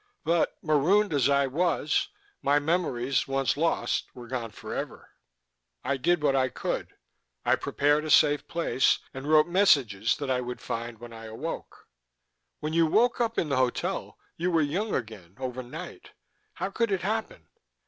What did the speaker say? But, marooned as I was, my memories, once lost, were gone forever. "I did what I could; I prepared a safe place, and wrote messages that I would find when I awoke " "When you woke up in the hotel, you were young again, overnight. How could it happen?"